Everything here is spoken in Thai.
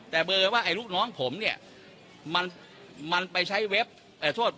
แต่เบอร์ว่าไอ้ลูกน้องผมเนี่ยมันไปใช้เว็บโทษ